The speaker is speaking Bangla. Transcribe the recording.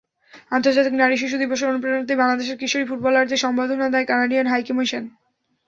আন্তর্জাতিক নারী শিশু দিবসের অনুপ্রেরণাতেই বাংলাদেশের কিশোরী ফুটবলারদের সংবর্ধনা দেয় কানাডিয়ান হাইকমিশন।